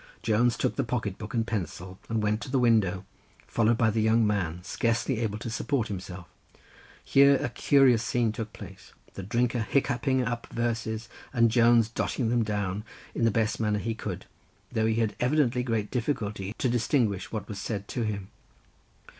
Jones took the pocket book and pencil and went to the window, followed by the young man scarcely able to support himself. Here a curious scene took place, the drinker hiccuping up verses, and Jones dotting them down, in the best manner he could, though he had evidently great difficulty to distinguish what was said to him.